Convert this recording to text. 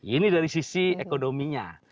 ini dari sisi ekonominya